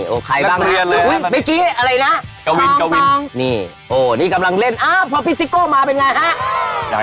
อุ้ยเมื่อกี้อะไรนะนี่โอ้นี่กำลังเล่นอ่ะพ่อพี่สิกโก้มาเป็นไงฮะ